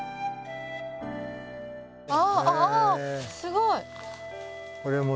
あすごい。